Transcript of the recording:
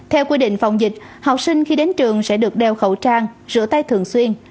theo quy định phòng dịch học sinh khi đến trường sẽ được đeo khẩu trang rửa tay thường xuyên